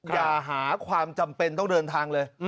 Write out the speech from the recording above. อย่าหาความจำเป็นต้องเดินทางเลย